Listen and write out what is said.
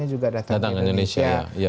juga datang ke indonesia